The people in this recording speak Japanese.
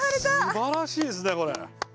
すばらしいですねこれ。